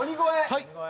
はい。